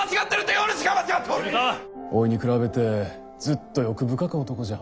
おいに比べてずっと欲深か男じゃ。